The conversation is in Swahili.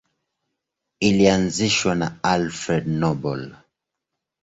Ilianzishwa na Alfred Nobel.